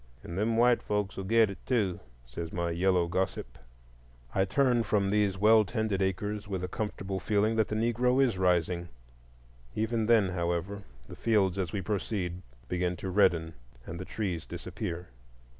"And them white folks will get it, too," said my yellow gossip. I turn from these well tended acres with a comfortable feeling that the Negro is rising. Even then, however, the fields, as we proceed, begin to redden and the trees disappear.